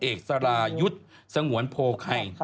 เอกสรายุทธ์สงวนโพไค